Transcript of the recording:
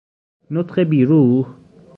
نطق بیروح